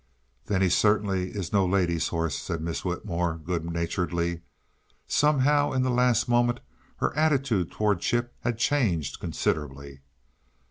"Then he certainly is no lady's horse," said Miss Whitmore, good naturedly. Somehow, in the last moment, her attitude toward Chip had changed considerably.